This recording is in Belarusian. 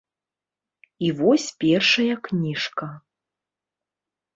І вось першая кніжка!